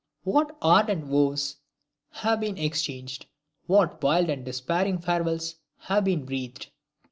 What ardent vows have been exchanged; what wild and despairing farewells been breathed!